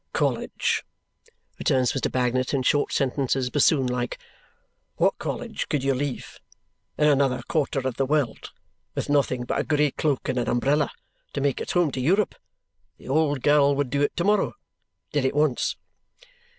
"College," returns Mr. Bagnet in short sentences, bassoon like. "What college could you leave in another quarter of the world with nothing but a grey cloak and an umbrella to make its way home to Europe? The old girl would do it to morrow. Did it once!"